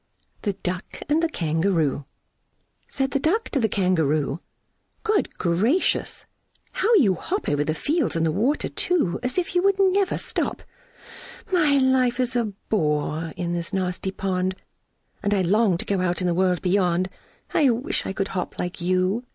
The Duck and The Kangaroo. Said the Duck to the Kangaroo, "Good gracious! how you hop Over the fields and the water too, As if you never would stop! My life is a bore in this nasty pond, And I long to go out in the world beyond! I wish I could hop like you!"